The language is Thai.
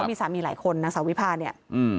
มีสามีหลายคนนางสาววิพาเนี่ย